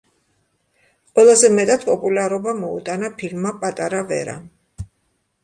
ყველაზე მეტად პოპულარობა მოუტანა ფილმმა „პატარა ვერა“.